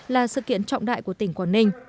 là sự kiện trọng đại của tỉnh quảng ninh